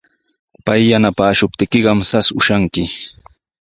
Pay yanapaashuptiykiqa rasmi ushanki.